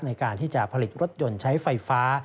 ในการที่จะผลิตรถยนต์ใช้ไฟฟ้า